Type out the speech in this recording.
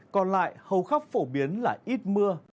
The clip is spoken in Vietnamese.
còn lại hầu khắp phổ biến là ít mưa